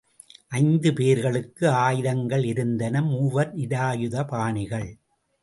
ஐந்து பேர்களுக்கு ஆயுதங்கள் இருந்தன மூவர் நிராயுத பாணிகள்.